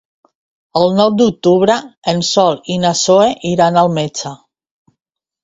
El nou d'octubre en Sol i na Zoè iran al metge.